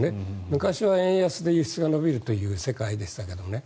昔は円安で輸出が伸びるという世界でしたけどね。